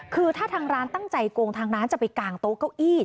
คือถ้าทางร้านตั้งใจโกงทางร้านจะไปกางโต๊ะเก้าอี้